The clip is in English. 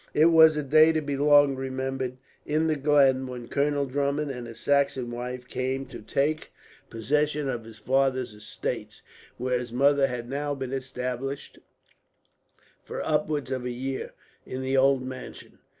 It was a day to be long remembered, in the glen, when Colonel Drummond and his Saxon wife came to take possession of his father's estates; where his mother had now been established for upwards of a year, in the old mansion.